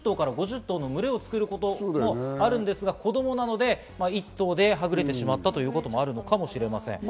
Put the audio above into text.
群れを作る事もありますが子供なので１頭ではぐれてしまったということもあるのかもしれません。